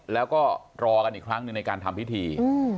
แล้วก็รอกันอีกครั้งหนึ่งในการทำพิธี